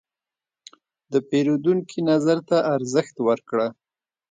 د پیرودونکي نظر ته ارزښت ورکړه.